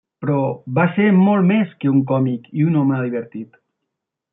Però va ser molt més que un còmic i un home divertit.